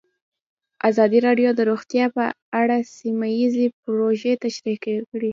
ازادي راډیو د روغتیا په اړه سیمه ییزې پروژې تشریح کړې.